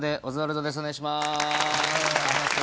お願いします。